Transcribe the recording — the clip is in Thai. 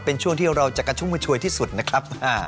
เป็นช่วงที่เราจะกระชุ่มกระชวยที่สุดนะครับ